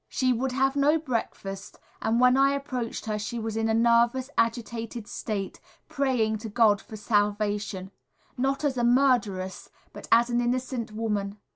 She would have no breakfast, and when I approached her she was in a nervous, agitated state, praying to God for salvation, not as a murderess but as an innocent woman.